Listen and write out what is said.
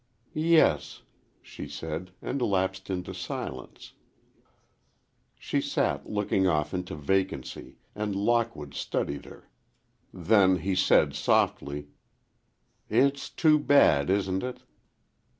"Yes," she said, and lapsed into silence. She sat, looking off into vacancy, and Lockwood studied her. Then he said, softly: "It's too bad, isn't it?"